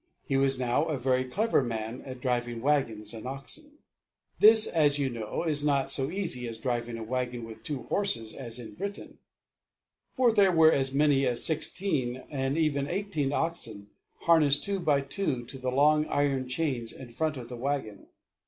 He was now a very clever man at driving wagons and oxen. This, as you know, is not so easy as driving a wagon with two horses is in Britain. For there were as many as sixteen and even eighteen oxen harnessed two by two to the long iron chains in front of the wagon.